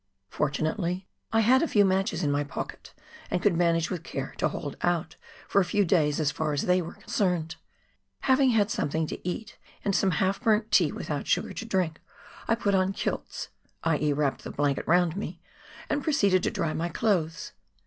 Fortunately, I had a few matches in my pocket, and could manage with care to hold out for a few days as far as they were concerned. Having had something to eat, and some half burnt tea without sugar to drink, I put on " kilts " (i.e., wrapped the blanket round me) and proceeded to dry my clothes.